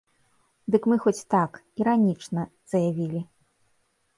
Дык мы хоць так, іранічна, заявілі.